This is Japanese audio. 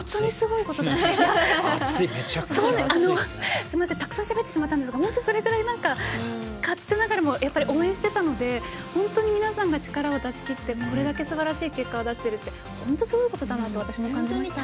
すみません、たくさんしゃべってしまったんですが本当にそれぐらい勝手ながらも応援していたので本当に皆さんが力を出し切ってこれだけすばらしい結果を出すって本当にすごいことだなって私も感じました。